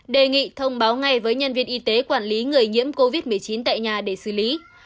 đề nghị thông báo ngay với nhân viên y tế quản lý người nhiễm covid một mươi chín tại nhà để xử lý